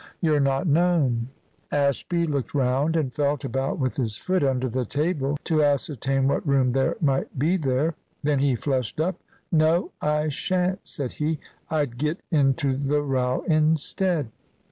You're not known." Ashby looked round, and felt about with his foot under the table to ascertain what room there might be there. Then he flushed up. "No, I shan't," said he; "I'd get into the row instead."